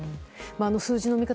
数字の見方